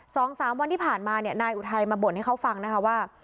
สองสามวันที่ผ่านมาเนี่ยนายอุทัยมาบ่นให้เขาฟังนะคะว่า